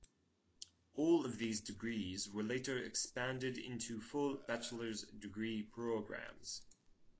All of these degrees were later expanded into full bachelor's degree programs.